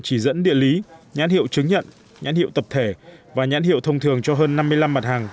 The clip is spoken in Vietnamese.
chỉ dẫn địa lý nhãn hiệu chứng nhận nhãn hiệu tập thể và nhãn hiệu thông thường cho hơn năm mươi năm mặt hàng